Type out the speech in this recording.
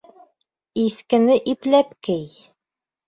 Иҫкене ипләп кей.